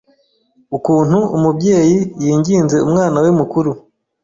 ukuntu umubyeyi yinginze umwana we mukuru